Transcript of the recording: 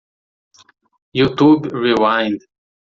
Youtube Rewind.